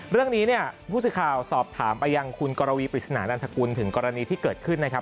เรื่องนี้เนี่ยผู้สื่อข่าวสอบถามไปยังคุณกรวีปริศนานันทกุลถึงกรณีที่เกิดขึ้นนะครับ